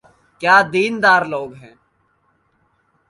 کیا دین دار لوگ ہیں۔